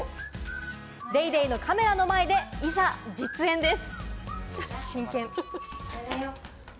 『ＤａｙＤａｙ．』のカメラの前でいざ実演です！